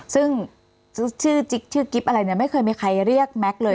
ซึ่งชื่อจิ๊กชื่อกิ๊บอะไรเนี่ยไม่เคยมีใครเรียกแม็กซ์เลย